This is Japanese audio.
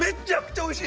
おいしい。